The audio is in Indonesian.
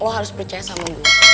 lo harus percaya sama gue